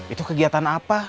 itu kegiatan apa